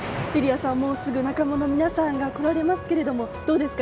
もうすぐ仲間の皆さんが来られますがどうですか？